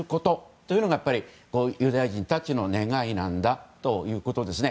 それがユダヤ人たちの願いなんだということですね。